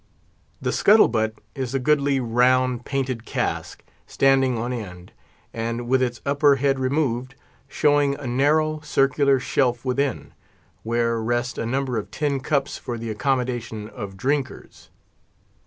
The scuttle butt is a goodly, round, painted cask, standing on end, and with its upper head removed, showing a narrow, circular shelf within, where rest a number of tin cups for the accommodation of drinkers.